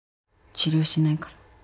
治療しないから。